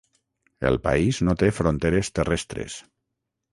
El país no té fronteres terrestres.